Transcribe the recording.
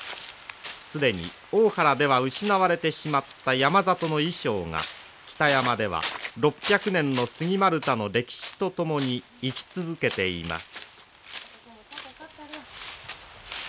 既に大原では失われてしまった山里の衣装が北山では６００年の杉丸太の歴史と共に生き続けています。